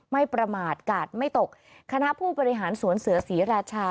ไม่ประมาทกาดไม่ตกคณะผู้บริหารสวนเสือศรีราชา